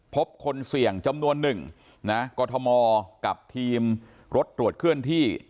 พบคนเสี่ยงจำนวนหนึ่งนะกรทมกับทีมรถตรวจเคลื่อนที่